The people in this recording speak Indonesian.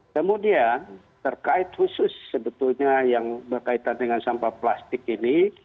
kemudian terkait khusus sebetulnya yang berkaitan dengan sampah plastik ini